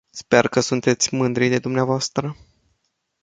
Sper că sunteți mândri de dvs.